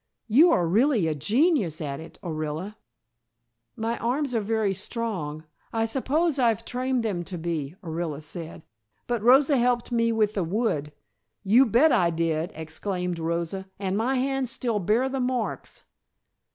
You are really a genius at it, Orilla." "My arms are very strong I suppose I've trained them to be," Orilla said, "but Rosa helped me with the wood " "You bet I did," exclaimed Rosa, "and my hands still bear the marks."